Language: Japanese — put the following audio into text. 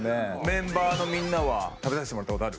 メンバーのみんなは食べさせてもらった事ある？